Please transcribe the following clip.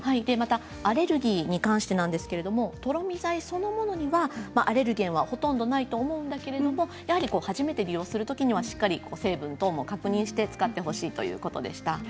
アレルギーに関してはとろみ剤そのものにはアレルゲンはほとんどないと思うんだけれども初めて利用するときはしっかり成分等を確認して使ってほしいということでした。